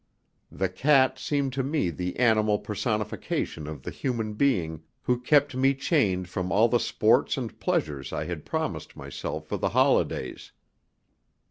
The cat seemed to me the animal personification of the human being who kept me chained from all the sports and pleasures I had promised myself for the holidays.